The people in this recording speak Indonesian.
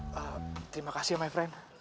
terima kasih ya my friend